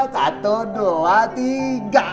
satu dua tiga